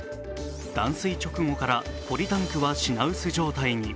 断水直後からポリタンクは品薄状態に。